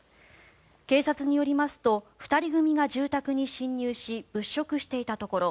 警察によりますと２人組が住宅に侵入し物色していたところ